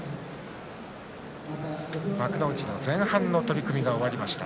幕内の前半の取組が終わりました。